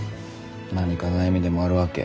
何か悩みでもあるわけ？